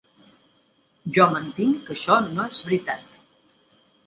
Jo mantinc que això no és veritat.